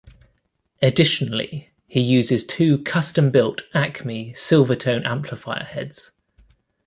Additionally he uses two custom-built Acme Silvertone amplifier heads.